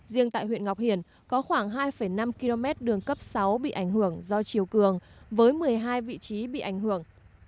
riêng tại huyện ngọc hiển có khoảng hai năm km đường cấp sáu bị ảnh hưởng do chiều cường với một mươi hai vị trí bị ảnh hưởng